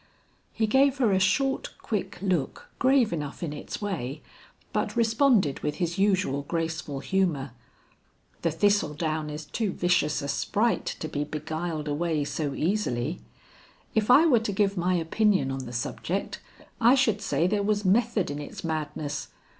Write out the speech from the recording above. He gave her a short quick look grave enough in its way, but responded with his usual graceful humor, "The thistle down is too vicious a sprite to be beguiled away so easily. If I were to give my opinion on the subject, I should say there was method in its madness.